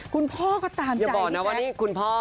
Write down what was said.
คุณพ่อก็ตามใจอย่าบอกนะว่านี่คุณพ่อ